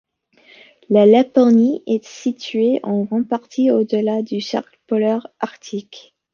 La Laponie est située en grande partie au-delà du cercle polaire arctique.